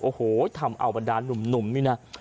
โอ้โหทำเอาบรรดานุ่มนี่นะ